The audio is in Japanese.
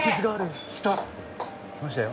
来た！来ましたよ。